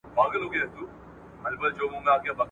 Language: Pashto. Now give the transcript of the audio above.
له هر شرنګه مار وهلی د زاهد کور به خراب وي `